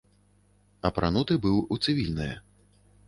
Апрануты быў у цывільнае.